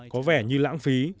có vẻ như lãng phí